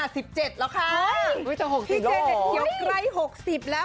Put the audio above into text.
พี่เจเน็ตเขียวใกล้๖๐แล้ว